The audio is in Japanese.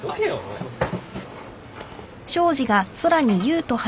すいません。